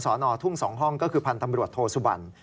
สอบสวนสนทุ่ง๒ห้องก็คือพันธมรวชโทสุบัน